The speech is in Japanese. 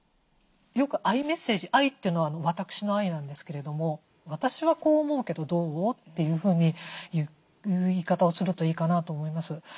よくＩメッセージＩというのは私のＩなんですけれども「私はこう思うけどどう？」というふうに言う言い方をするといいかなと思います。